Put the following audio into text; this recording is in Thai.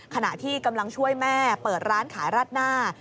ขณะที่กำลังช่วยแม่เปิดร้านขายราดหน้า